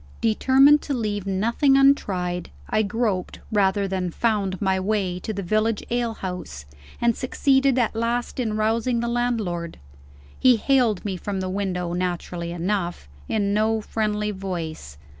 Determined to leave nothing untried, I groped, rather than found, my way to the village ale house, and succeeded at last in rousing the landlord. He hailed me from the window (naturally enough) in no friendly voice.